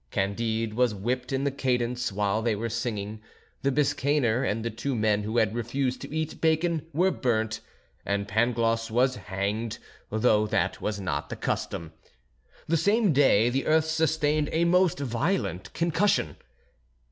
Candide was whipped in cadence while they were singing; the Biscayner, and the two men who had refused to eat bacon, were burnt; and Pangloss was hanged, though that was not the custom. The same day the earth sustained a most violent concussion.